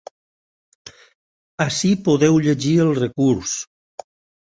Ací podeu llegir el recurs.